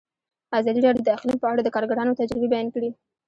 ازادي راډیو د اقلیم په اړه د کارګرانو تجربې بیان کړي.